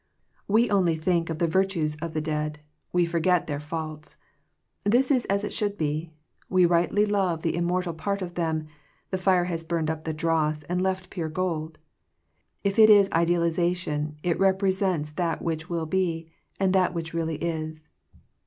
We only think of the virtues of the dead: we forget their faults. This is as it should be. We rightly love the immortal part of them; the fire has burned up the dross and left pure gold. If it is idealization, it repre sents that which will be, and that which really is.